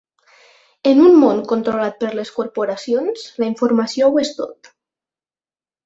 En un món controlat per les corporacions, la informació ho és tot.